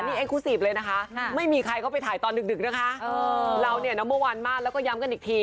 เนี่ยเอกคุสีสิบเลยนะคะ